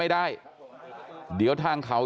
กลับไปลองกลับ